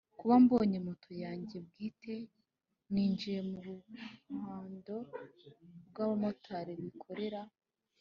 Kuba mbonye moto yanjye bwite ninjiye mu ruhando rw’abamotari bikorera